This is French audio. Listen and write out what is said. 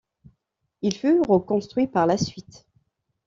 Il fut reconstruit par la suite.